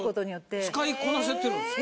ちゃんと使いこなせてるんですか。